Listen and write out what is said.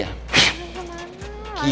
belok kemana lah